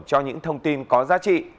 cho những thông tin có giá trị